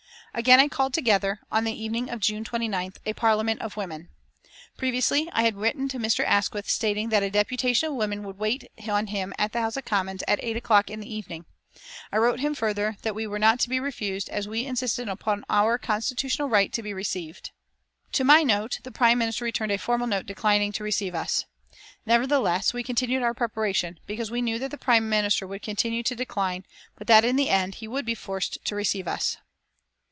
Again I called together, on the evening of June 29th, a Parliament of women. Previously I had written to Mr. Asquith stating that a deputation of women would wait on him at the House of Commons at eight o'clock in the evening. I wrote him further that we were not to be refused, as we insisted upon our constitutional right to be received. To my note the Prime Minister returned a formal note declining to receive us. Nevertheless we continued our preparations, because we knew that the Prime Minister would continue to decline, but that in the end he would be forced to receive us.